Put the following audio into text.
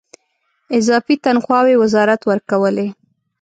اضافي تنخواوې وزارت ورکولې.